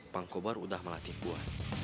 pangkobar udah melatih gue